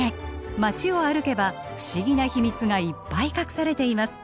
街を歩けば不思議な秘密がいっぱい隠されています。